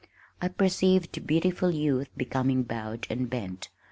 I perceived beautiful youth becoming bowed and bent.